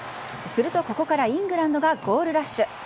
するとここからイングランドがゴールラッシュ。